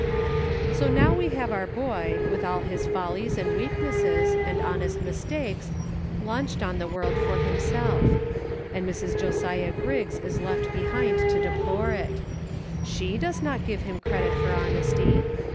So now we have our boy, with all his follies and IN SEARCH OF HOMF. 33 weaknesses, and honest mistakes, launched on the world for himself ; and Mrs. Josiah Griggs is left behind to deplore it. She does not give him credit for honesty.